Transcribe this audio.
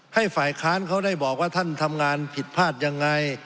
ให้ฝ่ายค้านเขาได้บอกว่าท่านทำงานผิดพลาดยังไง